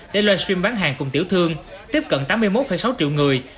để live stream bán hàng cùng tiểu thương tiếp cận tám mươi một sáu triệu người